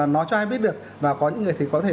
nó cho ai biết được và có những người thì có thể